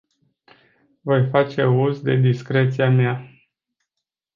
Voi face uz de discreția mea.